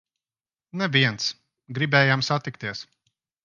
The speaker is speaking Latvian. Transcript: Neviens! Gribējām satikties!